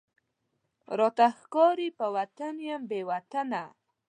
راته ښکاری په وطن یم بې وطنه،